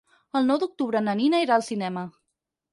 El nou d'octubre na Nina irà al cinema.